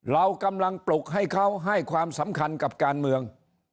เรากำลังปลุกให้เขาให้ความสำคัญกับการเมือง